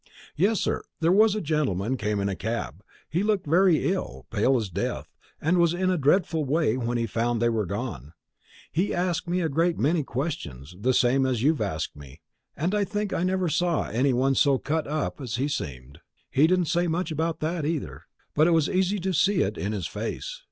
"Yes, sir; there was a gentleman came in a cab. He looked very ill, as pale as death, and was in a dreadful way when he found they were gone. He asked me a great many questions, the same as you've asked me, and I think I never saw any one so cut up as he seemed. He didn't say much about that either, but it was easy to see it in his face.